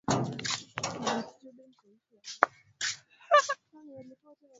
na Wasasanidi waliendelea kufufua milki ya Uajemi tena na tena